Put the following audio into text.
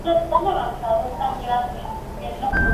No te enteraste de nada, ¿estás en Babia o qué?